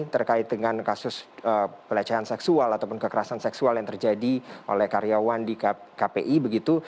terkait dengan kasus pelecehan seksual ataupun kekerasan seksual yang terjadi oleh karyawan di kpi begitu